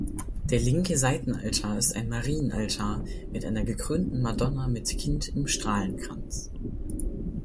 Der linke Seitenaltar ist ein Marienaltar mit einer gekrönten Madonna mit Kind im Strahlenkranz.